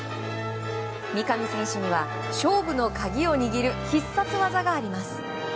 三上選手には勝負の鍵を握る必殺技があります。